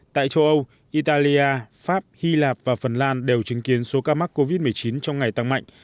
tại châu âu italia pháp hy lạp và phần lan đều chứng kiến số ca mắc covid một mươi chín trong ngày tăng mạnh